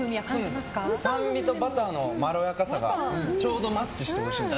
酸味とバターのまろやかさがちょうどマッチしておいしいです。